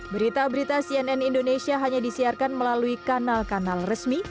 berita berita cnn indonesia hanya disiarkan melalui kanal kanal resmi